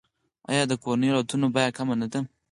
آیا د کورنیو الوتنو بیه کمه نه ده؟